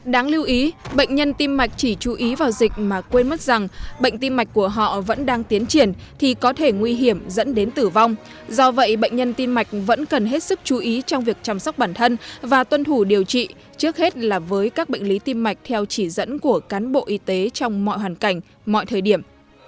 đáng lưu ý bệnh nhân tim mạch chỉ chú ý vào dịch mà quên mất rằng bệnh tim mạch của họ vẫn đang tiến triển thì có thể nguy hiểm dẫn đến tử vong do vậy bệnh nhân tim mạch vẫn cần hết sức chú ý trong việc chăm sóc bản thân và tuân thủ điều trị trước hết là với các bệnh lý tim mạch theo chỉ dẫn của cán bộ y tế trong mọi hoàn cảnh mọi thời điểm